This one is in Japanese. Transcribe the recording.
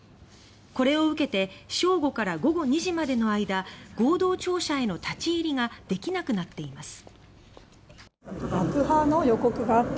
これを受けて正午から午後２時までの間合同庁舎への立ち入りができなくなっています。